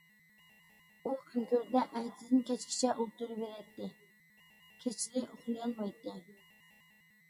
ئۇ ئۆڭكۈردە ئەتىدىن كەچكىچە ئولتۇرۇۋېرەتتى، كېچىلىرى ئۇخلىيالمايتتى.